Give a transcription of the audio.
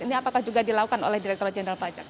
ini apakah juga dilakukan oleh direktur jenderal pajak